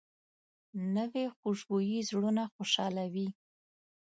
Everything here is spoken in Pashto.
نوې خوشبويي زړونه خوشحالوي